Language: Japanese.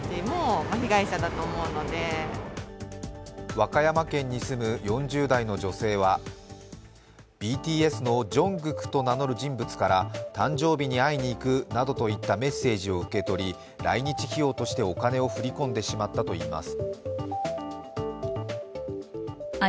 和歌山県に住む４０代の女性はＢＴＳのＪＵＮＧＫＯＯＫと名乗る人物から誕生日に会いに行くなどといったメッセージを受け取り来日費用としてお金を振り込んでしまったといいます。